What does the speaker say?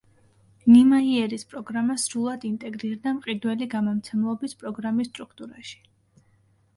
ნიმაიერის პროგრამა სრულად ინტეგრირდა მყიდველი გამომცემლობის პროგრამის სტრუქტურაში.